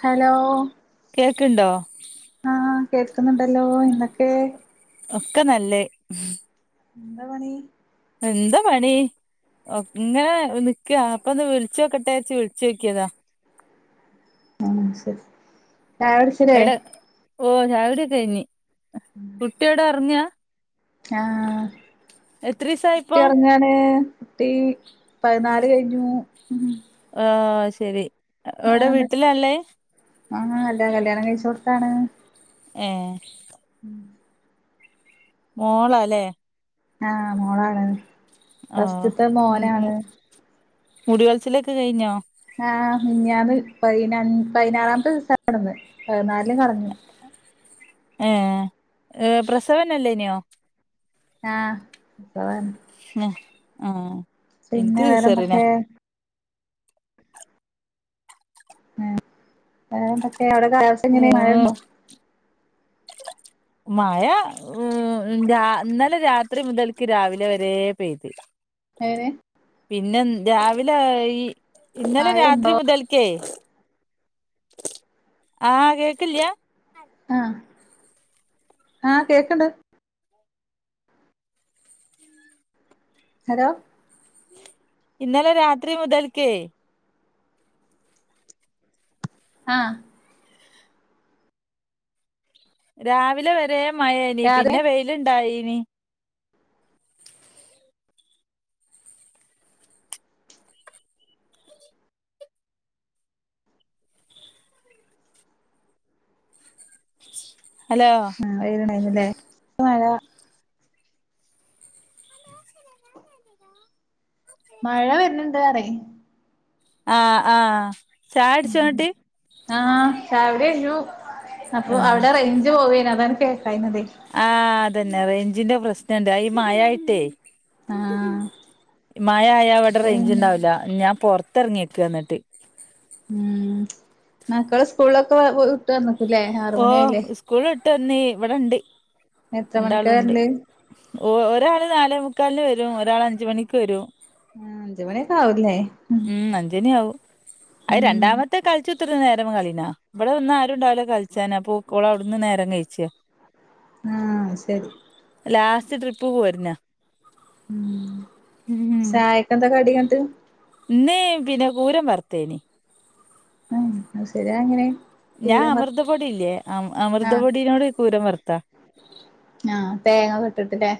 Hello കേക്ക്ണ്ടോ? ആഹ് കേൾക്കുന്നുണ്ടല്ലോ എന്തൊക്കെ? ഒക്കെ നല്ലെ. ന്താ പണി? എന്ത് പണി. ഒ ഇങ്ങനെ നിക്ക അപ്പൊന്ന് വിളിച്ചോക്കട്ടെ ച്ച് വിളിച്ചോക്യത. ആ ശരി ചായ കുട്ച്ചിലെ? എടെ ഓ ചായുടി ക്കെ കയ്ഞ്ഞ്. കുട്ടി എവ്ടെ ഉറങ്ങാ? ആഹ എത്രീസായിപ്പോ കുട്ടി ഒറ്ങ്ങാണ് കുട്ടീ പതിനാല് കഴിഞ്ഞു ഉം ഓ ശരി എവിടെ വേറെന്ത വീട്ടിലാള്ളേ [unintelligible] ആ അല്ല കല്യാണങ്കയ്ച്ചു കൊട്ത്താണ്.. ഏഹ് മോളാലേ ആഹ് മോളാണ് ഫസ്റ്റുത്തെ മോനാണ് മുടികൾച്ചിലൊക്കെ കെയ്ഞ്ഞോ? ആഹ് മിഞ്ഞാന്ന്, പതിന, പതിനാറാമത്തെ ദിവസ കന്ന് പതിനാൽന് കളഞ്ഞു ഏഹ് ഏഹ്, പ്രസവന്നല്ല്യേനോ? ആഹ് സവാണ് അഹ് ആ പിന്നെ ഇൻക്ക് സിസേറിയനാ വേറെന്തൊക്കെ ഏഹ് വേറെന്തൊക്കെ, അവടെ കാലാവസ്ഥങ്ങനെ, മൂന്ന് മഴണ്ടോ? മയാ ഉം രാ ഇന്നലെ രാത്രി മുതൽക്ക് രാവിലെ വരേ പെയ്ത് ഏങ്ങനെ.. പിന്നെ രാവിലെ ഈ ഇന്നലെ മഴ രാത്രി ഉണ്ടോ മുതൽക്കേ ആഹ് കേകല്ല്യാ? ആഹ് ആ കേക്കണ്ട് ഹലോ ഇന്നലെ രാത്രി മുതൽക്കേ ആഹ് രാവിലെ വരെ മഴേനി രാത്രി പിന്നെ വെയില്ണ്ടായി ഉം ഹലോ [unintelligible] മഴാ മഴ വെര്ന്ന്ണ്ട്, അറെ ആഹ് ആഹ് ചായട്ച്ചാൺട്ട്? ആഹ് ചെയ്യുടിയായിഞ്ഞു അപ്പൊ ആഹ് അവിടെ റെയ്ഞ്ച് പോവേനതാ കയ്ന്നതേ ആഹ് അതന്നെ റെയ്ഞ്ചിന്റെ പ്രശ്നണ്ട് അ ഈ മായായിട്ടേ ആഹ് മായയാവടെ റേഞ്ച്ണ്ടാവുല്ലാ ഞാ പൊറത്തിറങ്ങിയ്ക്ക ന്ന്ട്ട് ഉം മക്കള് സ്കൂളിലൊക്കെ [unintelligible] ആറ് ഓഹ് മണിയായില്ലേ ഇസ്കൂൾ ഇട്ട് ന്ന്.. ഇവടെണ്ട്, എത്ര മണിക്കാ രണ്ടാളുണ്ട് വരല് ഒരാള് നാലെ മു ക്കാൽന് വരു, ഒരാൾ അഞ്ച് മണിക്ക് വെരു, ഉം അഞ്ചുമണിയൊക്കാവുല്ലേ? ഉം അഞ്ചണിയാവു അത് ഉം രണ്ടാമത്തെ കളിച്ചുത്തിര്ന്ന് നേര [unintelligible] ഇവടെ വ്ന്നാ ആരൂണ്ടാവൂല കൾച്ചാന് അപ്പോക്കോളവ്ട്ന്ന് നേരം കയ്ച്ച് ആ ആഹ് ശെരി ലാസ്റ്റ് ട്രിപ്പ് പോര്ന്ന ഉം ചായക്കെന്ത കടി [unintelligible] ഇന്ന് പിന്നെ കൂരം വറ്ത്തേനി ആ അത് ശരി അഎങ്ങനെ? ഞാ അമൃതപ്പൊടിയില്ലേ അം ആഹ് അമൃതപൊടിനോട് കൂരം വർത്താ തേങ്ങൊക്കെട്ട്ട്ട് ലേ?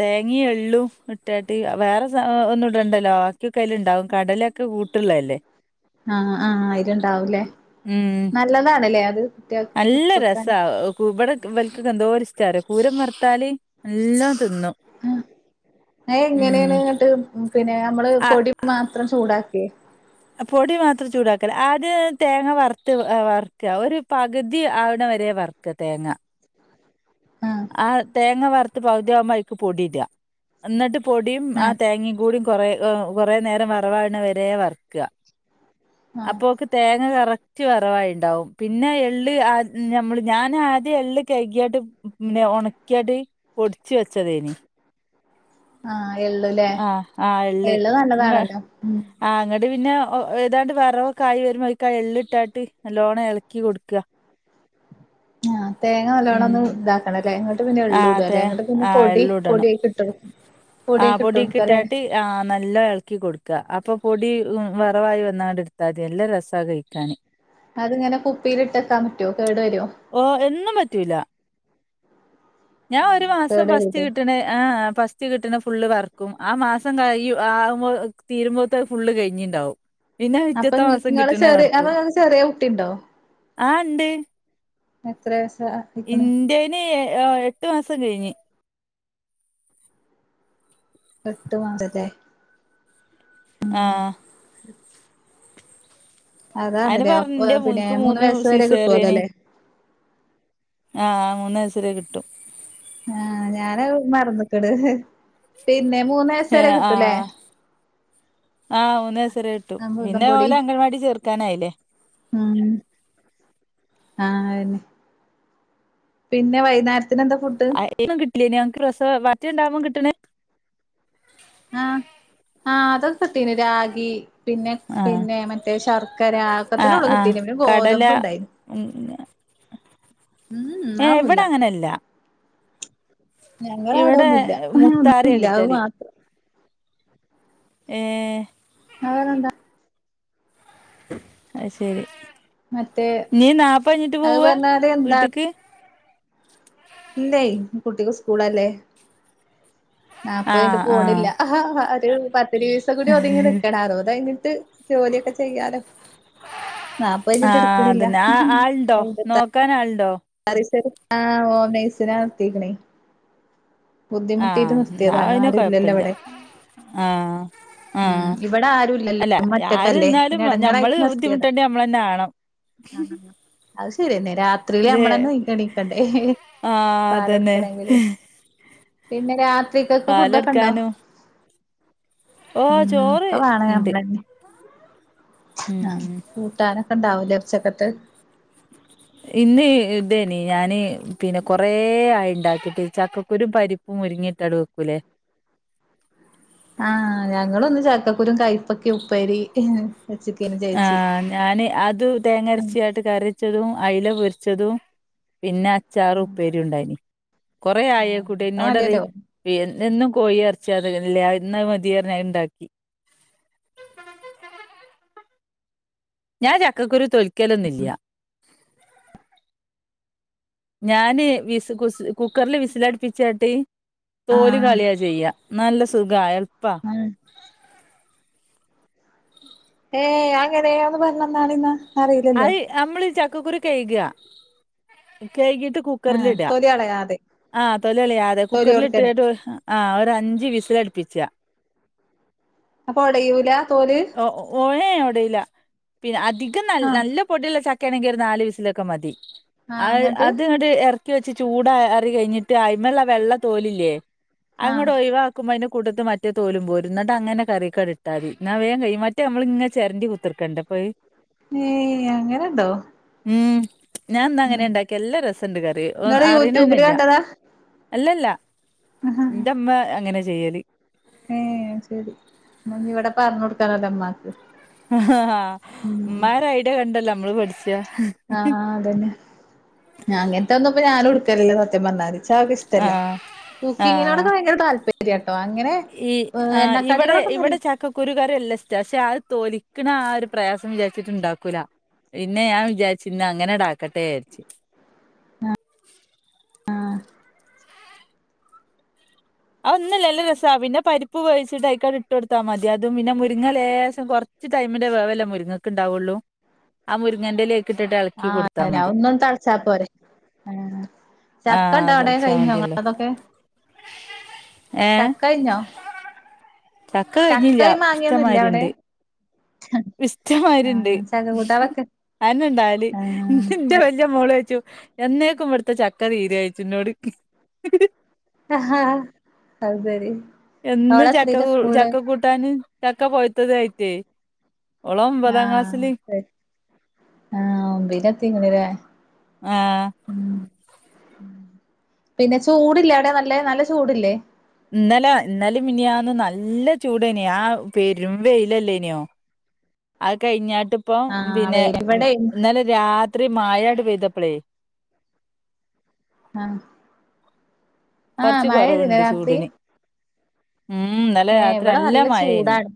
തേങ്ങയു എള്ളൂ ഇട്ടാട്ട് വേറെ സ ഒന്നു ഇടണ്ടല്ലോ ആക്കിയൊക്കയ്ല്ണ്ടാവു കടലൊക്കെ കൂട്ടു ള്ളെ അല്ലേ ആഹ് ആഹ് അയ്ല്ണ്ടാവുല്ലേ ഉം നല്ലതാണ്ലേ അത് കുട്ട്യാൾക്ക് കൊട്ക്കാന് ൻകു, വ്വൽക്കൊക്കെന്തോരിഷ്ടാറിയോ പൂരം വർത്താല് എല്ലാ ആഹ് [inaudible] ഉം എങ്ങനെയാണ് എന്നട്ട് പിന്നെ നമ്മള് ആ പൊടി മാത്രം ചൂടാക്കെ പൊടി മാത്രം ചൂടാക്കല്ല ആദ്യം തേങ്ങ വർത്ത് വർക്ക ഒരു പകുതി അവണ വരെ വർക്ക തേങ്ങ ആഹ് ആ തേങ്ങ വറുത്ത് പകുതിയാവുമ്പോ അയിക്ക് പൊടിടാ ന്നെട്ട് പൊടിയും ആ ആഹ് തേങ്ങയും കൂടി കുറെ കുറെ നേരം വറവാവണ വരെ വർക്ക ആഹ് അപ്പോക്ക് തേങ്ങ കറക്റ്റ് വറവായിണ്ടാവും പിന്നെ എള്ള് ആ നമ്മള് ഞാൻ ആദ്യം എള്ള് കഴ്കിയാട്ട് പിന്നെ ഉണക്കിയാട്ട് പൊടിച് വെച്ചതേനി ആഹ് എള്ളുല്ലേ ആ ആ എള്ള് നല്ലതാണല്ലോ ഉം ആ ങ്ങട് പിന്നെ ഏതാണ്ട് വറവക്കായി വരുമ്പോ അയിക്ക് ആ എള്ള് ഇട്ടാട്ട് നല്ലോണം എളക്കി കൊട്ക്കാ ആ തേങ്ങ നല്ലോണം ഒന്നും ഇതാക്കണല്ലേ ന്നട്ട് പിന്നെ ആഹ് തേ എള്ളുടല്ലേ ന്നട്ട് പിന്നെ പൊടി പൊടി അയ്ക്ക്ട്ടൊ ആ പൊടി അ യ്ക്ക് ട്ടാ ട്ട് ആ നല്ലോ ഇളക്കി കൊടുക്ക അപ്പൊ പൊടി ഉം വറവായി വന്നാണ്ട് ട്ത്താ മതി നല്ല രസാ കയിക്കാന് അതിങ്ങനെ കുപ്പിയില് ട്ടെക്കാൻ പറ്റുവോ കേടു വരോ ഓഹ് എന്നും പറ്റൂല ഞാൻ ഒരു മാസം കേട് ഫസ്റ്റ് വരൂല്ലേ കിട്ട്ണ ആ ഫസ്റ്റ് കിട്ടണ ഫുള്ള് വർക്കും ആ മാസം കഴി ആവുമ്പോ തീരുമ്പോത്തെ ഫുള്ള് കഴിഞ്ഞീണ്ടാവും പിന്നെ അപ്പൊ നിങ്ങ പിറ്റത്തമാസം നിങ്ങള് കിട്ട്ണ ചെറിയ വർക്കും അപ്പൊ നിങ്ങക്ക് ചെറിയ കുട്ടിയുണ്ടോ ആ ഇണ്ട് എത്ര ആയിക്ക്ണ് ഇന്റെന് എട്ടു മാസം കഴിഞ്ഞ് എട്ട് മന്തല്ലേ ആ അയിന് അതാണല്ലേ പറഞ്ഞ് ഇന്റെ പിന്നെ മോൻക്ക് മൂന്ന് വയസ് വരെ സിസേറിയന് കിട്ടുവല്ലോല്ലേ ആ മൂന്ന്‌ വയസ്സ് വരെ കിട്ടും ആ ഞാന് മറന്ന്ക്ക്ണ് പിന്നെ മൂന്ന്‌ വയസ് വരെ കിട്ടൂലേ ആ മൂന്ന് വയസ്സ് വരെ കിട്ടു അമൃതം പിന്നെ പൊടി ഓലെ അംഗൻവാടി ചേർക്കാനായില്ലേ ആ അ അന്നെ പിന്നെ വൈന്നേരത്തിന് എന്താ ഫുഡ് ഇല്ലേനി ഞങ്ങക്ക് [unintelligible] വയറ്റി ഇണ്ടാവുമ്പോ കിട്ട്ണെ ആ ആ അതൊക്ക കിട്ടീന് രാഗി പിന്നെ ആഹ് പിന്നെ മറ്റേ ശർക്കര ആക്കെ തന്നെ ആഹ് ഉള്ള് ആഹ് കിട്ടീന് കടല പിന്നെഗോതമ്പ് ഇണ്ടായിന് ഉം ഏ ഇവിടെ അങ്ങനെല്ല ഞങ്ങള അവിട ഒന്നുംല്ല മുത്താറിയാ ഒന്നുല്ല അഅ്മാത്രം ഏ അതെന്താ അയി ശരി മറ്റേ ഇഞ്ഞീ നാപ്പയിഞ്ഞിട്ട് അത് പോവാ പറഞ്ഞാല് വീട്ടിക്ക് ഇല്ലെയ് കുട്ടിക്ക് സ്കൂളല്ലേ നാപ്പയിഞ്ഞിട്ട് ആഹ് ആഹ് പോണില്ല ഒരു പത്ത് ദിവസം കൂടി ഒതുങ്ങി നിക്കണ അറുപതയിഞ്ഞിട്ട് ജോലിയൊക്കെ ചെയ്യാലോ നാപ്പയിഞ്ഞിട്ട് ആഹ് എടുക്കണില്ല അതന്നെ ആ ആളുണ്ടോ ഒര അമ്പതാറ് നോക്കാൻ ആളുണ്ടോ ആ ഹോം നഴ്സിനെ നിർത്തീക്കണേ ആ ന്നാ പിന്നെ ആരും ഇല്ലല്ലോ കൊയപ്പില്ല്യ ഇവിടെ ആ ആ ഉം ഇവിടെ ആരും ഇല്ലല്ലോ അല്ല ഉമ്മ ആര് ഒറ്റക്കല്ലേ നിന്നാലും പിന്നെ ഞമ്മള് ബുദ്ധിമുട്ടേണ്ട ഞമ്മൾ തന്നെ ആണം ആ അത് ശരിയെന്നെ രാത്രിയില് നമ്മളന്നെ എണീക്കണ്ടേ ആ പാല് അതന്നെ കൊടുക്കണെങ്കില് പിന്നെ രാത്രിക്കക്ക് ഫുഡൊക്കെണ്ടോ പാലെടുക്കാനും ഓ ഉം ചോറ് ഒക്കെ വേണം ഉണ്ട് നമ്മളന്നെ ആ ഉം കൂട്ടാനൊക്കെ ഇണ്ടാവലേ ഉച്ചക്കത്തെ ഇന്ന് ഇതേനി ഞാന് പിന്നെ കൊറ ആയി ഉണ്ടാക്കിട്ട് ചക്കക്കുരും പരിപ്പും മുരിങ്ങേട്ട ട് വെക്കൂലേ ആഹ് ഞങ്ങളൊന്ന് ചക്കക്കുരും കൈപ്പക്കിം ഉപ്പേരി വെച്ച്ക്കേനു ആ ചേച്ചി ഞാന് അത് ആഹ് തേങ്ങര്ച്ചാട്ട് കറ്യച്ചെതും അയ്ല പൊരിച്ചതും പിന്നെ അച്ചാറ്, ആഹ് ഉപ്പേര്യൂണ്ടായിന് കൊറെ ആയി അഅ് ആഹ് കൂട്ട്യേ അത് ഇന്നോട റിം മതിയല്ലോ എന്നും കോഴി എർച്ചി അതക്കനല്ലേ ഇന്നഅ് മതിർഞ് അഅ്ണ്ടാക്കി [unintelligible] ഞാൻ ചക്കക്കുരു തോൽക്കലൊന്നുല്ല ഞാന് വിസ് കുസ് കുക്കറില് വിസിലട്പ്പിച്ചാട്ട് തോലികള്യാ ചെയ്യ എന്ന ല്ല സുഖയാ [unintelligible] ആ ഏ അഎങ്ങനെ ആ ഒന്ന് പർഞ്ഞന്നാണിന്നാ അഅ് നമ്മളി ചക്കക്കുരു കയ്ക്ക കയ്കിട്ട് കുക്കർല് ആഹ് ടാ തൊലി കളയാതെ ആ തൊലി കളയാതെ തൊലി കൊടുക്കണേ കുക്കറിലിട്ടട്ട് ആ ഒരഞ്ച് വിസിലട്പ്പിച്ചാ അപ്പൊ ഒടയൂല തോല് ഏ ഒടീല പിന്നെ അധികം ന ആഹ് നല്ല പൊടിള്ള ചക്ക ണെങ്കി ഒര് നാല് വിസിലൊക്കെ മതി ആഹ് ഇങ്ങട്ട് അത്ങ്ങട്ട് എർ ക്കിവെച്ച് ചൂടാറി കഴ്ഞ്ഞിട്ട് അയ്‌മെലെ വെള്ള തോലില്ലേ ആഹ് അങ്ങട്ട് ഒയ് വാക്കുമ്പോ അ കൂട്ടത്ത് മറ്റേ തോലും പോരും ഇന്നട്ടങ്ങനെ കറീക്കട് ട്ടാതി എന്നാ വേകയ്യും മറ്റേ നമ്മള്ങ്ങ ചെര്ണ്ടി കുത്തർക്കണ്ടപ്പഅ് ഏയ് അങ്ങനെണ്ടോ ഉം ഉം ഞാന്നങ്ങനെണ്ടാക്യേ അല്ലെ രസണ്ട് കറി ഇങ്ങള് യൂട്യൂബില് അറിണന്നെല്ല കണ്ടതാ അല്ലല്ല ഇന്റെമ്മ അങ്ങനെ ചെയ്യല് ഏ ശെരി ഇന്നഞ്ഞ് വടെ പർഞ്ഞൊട്ക്കണല്ലോ മ്മാക്ക് ആഹ ഹാ ഇമ്മാരൈഡ്യ കണ്ടല്ലോ അമ്മള് പഠി ആ അതന്നെ അങ്ങൻത്തെന്നെ പ്പം ഞാനുട്ക്കല് സത്യം പർഞ്ഞാല് ച്ച ഒക്കെഷ്ട്ടല്ല ആഹ് ആഹ് കുക്കിങ്ങിനോടൊക്കെ ഭയങ്കര താല്പര്യാണ് ഈ ആ ഇവടെ നല്ല ഇവടെ ചക്കക്കുരുകറി അല്ലഷ്ട്ടാ പക്ഷെ ആരുതോലി ക്ക്ണാ ഒരു പ്രയാസം വിചാര്ച്ചിട്ട് ണ്ടാക്കൂല പിന്നെ ഞാൻ വിചാര്ച്ച് ഇന്ന് അങ്ങനെടാക്കട്ടെ ര്ച്ച് ആ ആ അ ഒന്നുല്ല നല്ല രസ പിന്നെ പരിപ്പ് വേവിച്ചിട്ട് അയ്ക്കട് ഇട്ടൊട്ത്താ മതി [unintelligible] തും പിന്നെ മുരിങ്ങ ലേശം കൊർച്ച് ടൈമിന്റെ വേവ ല്ലെ മുരിങ്ങക്ക് ണ്ടാവൊള്ളു ആ മുരങ്ങൻ്റെ ല ഐക്ക് ട്ടിട്ട് എളക്കി കൊട്ത്താ മതി ചപ്പൊരെ ആ ചക്കണ്ട വടെ തളിച്ചാൽ കയിഞ്ഞോ മതിയല്ലോ ഇങ്ങൾതൊക്കെ ഏ ചക്കയ്ഞ്ഞോ? ചക്ക കയ്ഞ്ഞില്ല ഇല്ലേ അവിടെ ഇഷ്ടമ്മായിരിണ്ട് ഇഷ്ടമ്മായിരിണ്ട് ആഹ് ചക്ക കൂട്ടാൻ വെക്ക അന്നെണ്ടാവല് ഇൻ്റെ വെല്ല്യ മോളോയ്ച്ചും എന്നേക്കുമ്പട്ത്തെ ചക്ക തീരാച്ചുന്നോട് ആഹ അഅ് ശെരി എന്നും ചക്ക കൂ ചക്ക കൂ ആ [unintelligible] ആ ഒമ്പീലെത്തിക്ക്ണ് ലെ ആഹ് പിന്നെ ചൂട്ല്ലെ അവടെ നല്ല നല്ല ചൂട്ല്ലേ? ഇന്നലാ ഇന്നെലിം മിനിയാന്നും നല്ല ചൂടെനി ആ പെരും വെയ്ലല്ലേന്യോ അഅ് കഴിഞ്ഞാട്ട്പ്പൊ ആഹ് പിന്നെ വെയില് ഉം ഇവിടെയും ഇന്നലെ രാത്രി മായാണ്ട് പെയ്തപ്ലേ ആ ആ കൊറച്ച് മയെയ്തീന്യോ കൊറവുണ്ട് രാത്രി ചൂടിന് ഉം ഇന്നലെ ഏ രാത്രി ഇവടെ നല്ല മഴേനി ചൂടാണ്.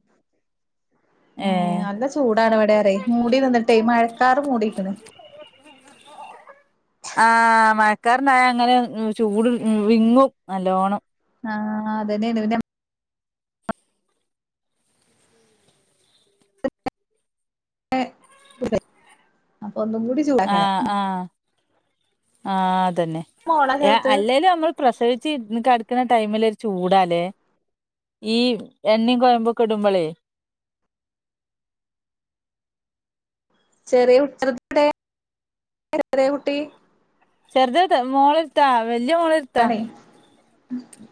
ഏ ഏഹ് നല്ല ചൂടാണ് വെടേറ്യേ മൂടി നിന്ന്ട്ടേ മഴക്കാർ മൂടിക്കണ്. ആ മ യക്കാറ്ണ്ടായ അങ്ങനെ അ് ചൂട് അ് വിങ്ങും നല്ലോണം. ആഹ അതന്നെണ് പിന്ന [unintelligible] ഒന്നും കൂടി ചൂടക്കാരം. ആ അതന്നെ. മോളാ യാ ചെറുത് അല്ലേലും നമ്മള് പ്രസവിച്ച് കടക്കുന്ന ടൈമിൽ ഒരു ചൂടാലേ ഈ എണ്ണിം, കൊയമ്പൊക്കെ ഇടുമ്പളേ [inaudible] ചെറിയ [unintelligible] കുട്ടി [unintelligible] മോളെട്ത്താ വല്യ മോളെട്ത്താ ആണേ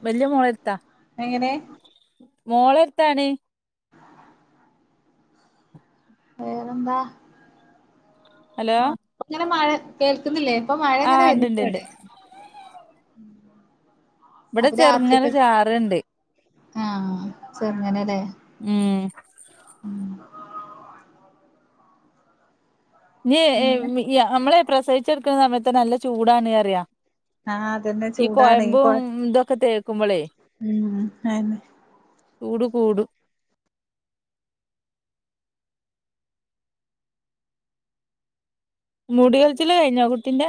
വല്യ മോളെട്ത്താ എങ്ങനെ മോളെട്ത്താണ്. വേറെന്താ ഹലോ ആ അങ്ങനെ മഴ കേൾക്കുന്നില്ലേ? ഇപ്പൊ മഴങ്ങനെ ആഹ് ഉണ്ട്ണ്ട്ണ്ട് വെർണണ്ട്വ്ടെ ഇവിടെ ചെറുങ്ങനെ ചാറ്ണ്ട്. ആഹ് ചെറങ്ങനെലേ ഉം [inaudible] ഞ് എ നമ്മള് പ്രസവിച്ചട്ക്ക്ണ സമയത്ത് നല്ല ചൂടാണ്റിയ ആഹ് അതന്നെ ഈ ചൂടാണേ കൊയമ്പും കൊഴ ഇതൊക്കെത്തേ ഉം അതന്നെ കൂടു കൂടു മുടിയാളിച്ചല്കഴിഞ്ഞ കുട്ടി ന്റെ?